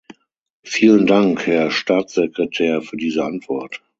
Vielen Dank, Herr Staatssekretär, für diese Antwort.